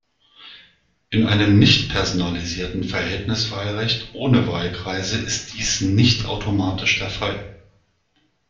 In einem nicht-personalisierten Verhältniswahlrecht ohne Wahlkreise ist dies nicht automatisch der Fall.